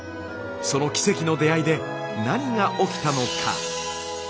その奇跡の出会いで何が起きたのか。